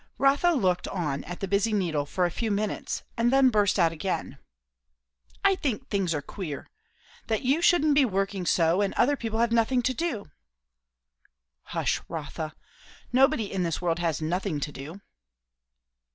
Rotha looked on at the busy needle for a few minutes, and then burst out again. "I think things are queer! That you should be working so, and other people have nothing to do." "Hush, Rotha. Nobody in this world has nothing to do."